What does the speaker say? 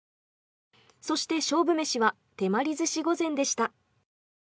そして勝負めしは手鞠寿し御膳でした。